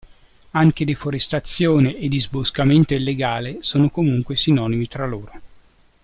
Anche deforestazione e disboscamento illegale sono comunque sinonimi tra loro.